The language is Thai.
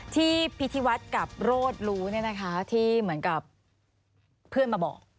ที่พิธีวัฒน์กับโรดรู้ที่เหมือนกับเพื่อนมาบอก